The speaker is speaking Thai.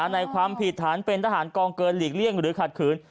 ในความผิดฐานเป็นทหารกองเกินหลีกเลี่ยงหรือขัดขืน